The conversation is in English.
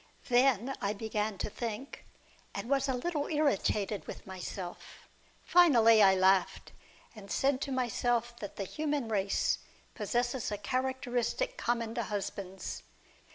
Then I began to think, and was a little irritated with myself. Finally I laughed, and said to myself that the human race possesses a characteristic common to husbands.